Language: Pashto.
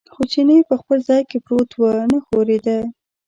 خو چیني په خپل ځای کې پروت و، نه ښورېده.